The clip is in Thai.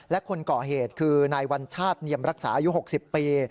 และคนก่อเหตุคือนายวัญชาติเนียมรักษาอายุ๖๐ปี